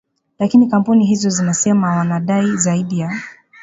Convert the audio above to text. lakini kampuni hizo zinasema wanadai zaidi ya